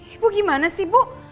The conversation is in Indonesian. ibu gimana sih bu